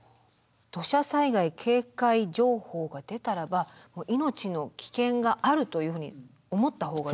土砂災害警戒情報が出たらば命の危険があるというふうに思った方が。